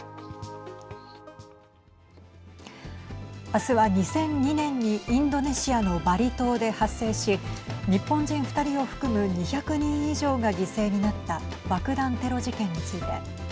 明日は２００２年にインドネシアのバリ島で発生し日本人２人を含む２００人以上が犠牲になった爆弾テロ事件について。